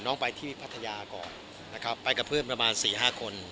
น้องไปที่พัทยาก่อนนะครับไปกับเพื่อนประมาณ๔๕คน